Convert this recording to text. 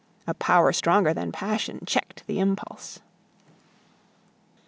A power, stronger than passion, checked the impulse.